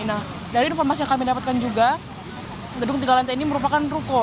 nah dari informasi yang kami dapatkan juga gedung tiga lantai ini merupakan ruko